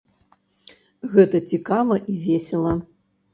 Гэта цікава і весела.